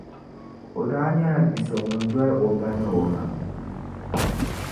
O daa nyɛla bia so ŋun doli o ba ni o ma